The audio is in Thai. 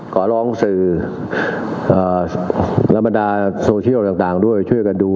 ขอร้องสื่อและบรรดาโซเชียลต่างด้วยช่วยกันดู